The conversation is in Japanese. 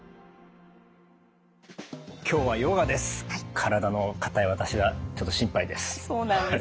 体の硬い私はちょっと心配です。